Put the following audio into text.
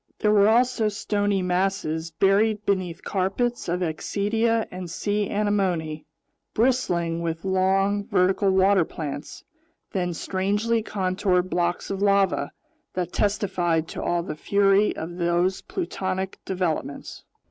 There also were stony masses buried beneath carpets of axidia and sea anemone, bristling with long, vertical water plants, then strangely contoured blocks of lava that testified to all the fury of those plutonic developments.